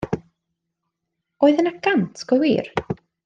Oedd yna gant go wir?